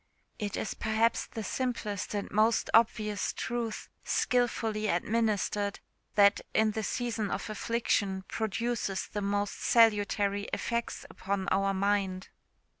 It is perhaps the simplest and most obvious truth, skilfully administered, that, in the season of affliction, produces the most salutary effects upon our mind.